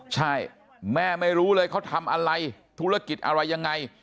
ใช่แม่ไม่รู้เลยเขาทำอะไรธุรกิจอะไรยังไง